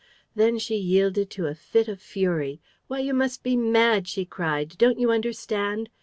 Then she yielded to a fit of fury: "Why, you must be mad!" she cried. "Don't you understand?